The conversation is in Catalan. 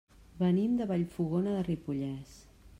Venim de Vallfogona de Ripollès.